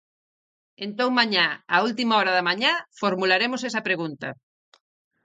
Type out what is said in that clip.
Entón mañá, á última hora da mañá, formularemos esa pregunta.